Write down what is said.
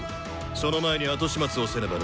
その前に後始末をせねばな。